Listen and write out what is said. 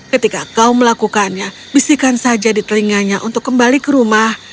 ketika kau melakukannya bisikan saja di telinganya untuk kembali ke rumah